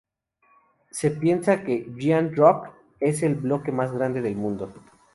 Se piensa que Giant Rock es el bloque más grande del mundo.